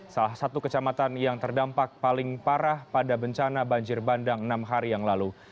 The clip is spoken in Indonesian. salah satu kecamatan yang terdampak paling parah pada bencana banjir bandang enam hari yang lalu